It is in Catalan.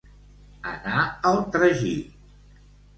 Anar al tragí.